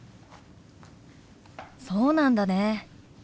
そうなんだね。